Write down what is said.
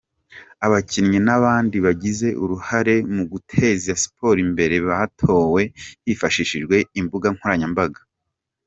Abakinnyi n’abandi bagize uruhare mu guteza siporo imbere batowe hifashishijwe imbuga nkoranyambaga.